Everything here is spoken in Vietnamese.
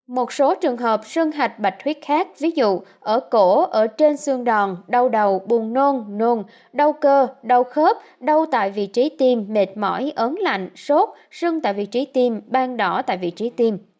một số trường hợp sân hạch bạch huyết khác ví dụ ở cổ ở trên xương đòn đau đầu bùn nôn nôn đau cơ đau khớp đau tại vị trí tiêm mệt mỏi ớn lạnh sốt sưng tại vị trí tiêm ban đỏ tại vị trí tiêm